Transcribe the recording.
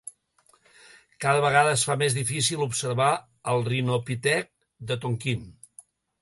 Cada vegada es fa més difícil observar el rinopitec de Tonquín.